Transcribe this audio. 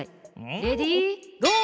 レディーゴー！